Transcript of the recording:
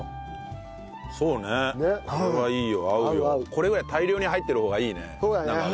これぐらい大量に入ってる方がいいねなんかね。